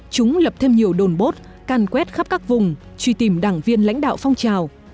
chúng lập thêm nhiều đồn bốt can quét khắp các vùng truy tìm đảng viên lãnh đạo phong trào